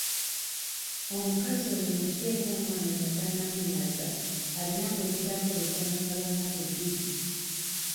Omukazi oyo muggyeko omwana nga tannamunaaza alina kulindako luvannyuma lwa nnaku bbiri.